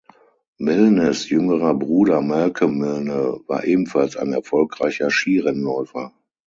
Milnes jüngerer Bruder Malcolm Milne war ebenfalls ein erfolgreicher Skirennläufer.